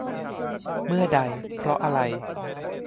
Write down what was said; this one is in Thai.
เมื่อใด เพราะอะไร ?